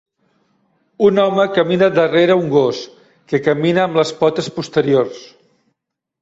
Un home camina darrera un gos que camina amb les potes posteriors.